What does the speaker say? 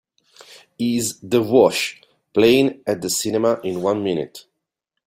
Is The Wash playing at the cinema in one minute